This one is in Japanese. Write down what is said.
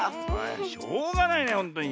しょうがないねほんとにきみ。